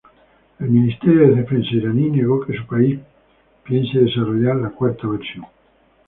El ministerio de defensa iraní negó que su país piense desarrollar la cuarta versión.